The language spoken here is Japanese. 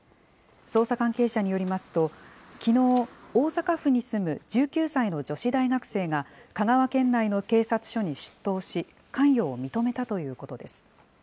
捜査関係者によりますと、きのう、大阪府に住む１９歳の女子大学生が、香川県内の警察署に出頭し、関与を認めたということです。